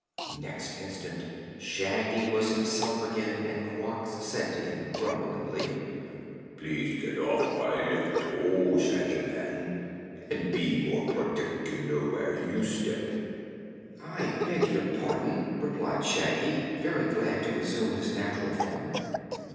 Next instant Shaggy was himself again and Quox said to him grumblingly: "Please get off my left toe, Shaggy Man, and be more particular where you step." "I beg your pardon!" replied Shaggy, very glad to resume his natural form.